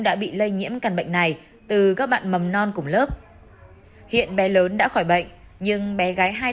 đã bị lây nhiễm căn bệnh này từ các bạn mầm non cùng lớp hiện bé lớn đã khỏi bệnh nhưng bé gái hai